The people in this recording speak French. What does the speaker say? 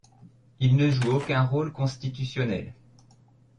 Ils ne jouent aucun rôle constitutionnel.